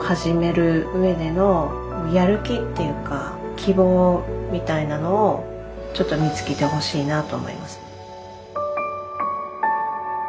希望みたいなのをちょっと見つけてほしいなと思います。